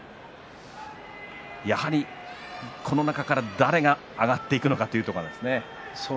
やはり、この中から誰が上がっていくのかというところですね。